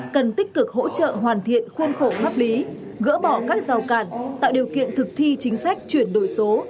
cần tích cực hỗ trợ hoàn thiện khuôn khổ pháp lý gỡ bỏ các rào cản tạo điều kiện thực thi chính sách chuyển đổi số